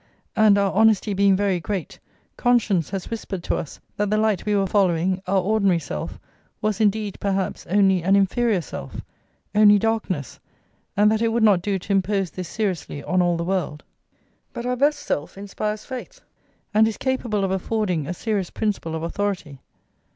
And, our honesty being very great, conscience has whispered to us that the light we were following, our ordinary self, was, indeed, perhaps, only an inferior self, only darkness; and that it would not do to impose this seriously on all the world. But our best self inspires faith, and is capable of affording a serious principle of authority.